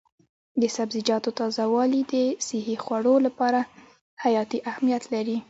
د سبزیجاتو تازه والي د صحي خوړو لپاره حیاتي اهمیت لري.